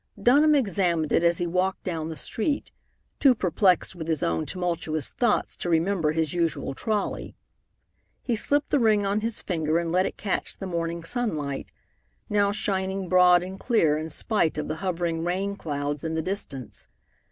Dunham examined it as he walked down the street, too perplexed with his own tumultuous thoughts to remember his usual trolley. He slipped the ring on his finger and let it catch the morning sunlight, now shining broad and clear in spite of the hovering rain clouds in the distance.